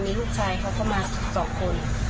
มีลูกชายเขาก็มา๒คน